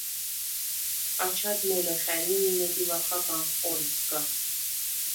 აჩად მოლე ხა̈ნ ი მინე დი ლახაგანხ ყორისგა.